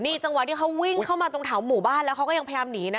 จังหวะที่เขาวิ่งเข้ามาตรงแถวหมู่บ้านแล้วเขาก็ยังพยายามหนีนะ